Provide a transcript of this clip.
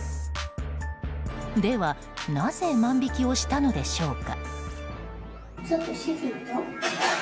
では、なぜ万引きをしたのでしょうか。